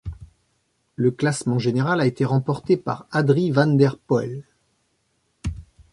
Le classement général a été remporté par Adrie van der Poel.